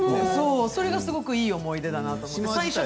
それがすごくいい思い出だなと。